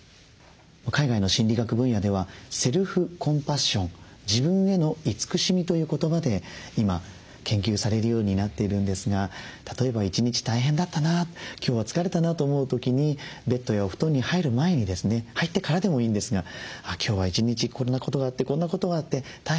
海外の心理学分野ではセルフコンパッション自分への慈しみという言葉で今研究されるようになっているんですが例えば一日大変だったな今日は疲れたなと思う時にベッドやお布団に入る前にですね入ってからでもいいんですが今日は一日こんなことがあってこんなことがあって大変だった。